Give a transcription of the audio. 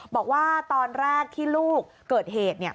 บอกว่าตอนแรกที่ลูกเกิดเหตุเนี่ย